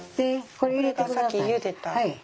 これがさっきゆでた。